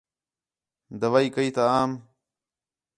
دوائی کَئی تا آم